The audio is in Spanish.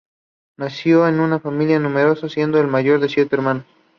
Nació en una familia numerosa, siendo el mayor de siete hermanos.